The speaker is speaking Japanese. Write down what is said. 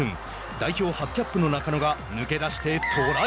代表初キャップの中野が抜け出してトライ。